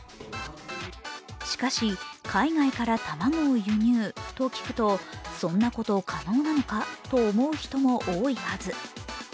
しかし、海外から卵を輸入と聞くとそんなこと可能なのかと思う人も多いはず。